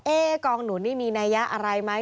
กองหนุนนี่มีนัยยะอะไรไหม